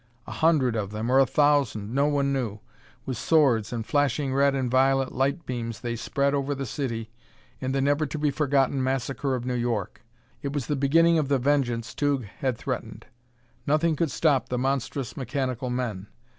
A hundred of them, or a thousand, no one knew. With swords and flashing red and violet light beams they spread over the city in the never to be forgotten Massacre of New York! It was the beginning of the vengeance Tugh had threatened! Nothing could stop the monstrous mechanical men.